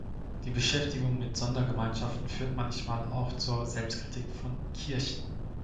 Die Beschäftigung mit Sondergemeinschaften führt manchmal auch zur Selbstkritik von Kirchen.